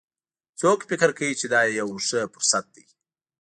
څوک فکر کوي چې دا یوه ښه فرصت ده